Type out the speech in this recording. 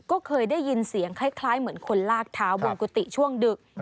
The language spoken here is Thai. ก็เคยได้ยินเสียงคล้ายเหมือนคนลากเท้าบนกุฏิช่วงดึก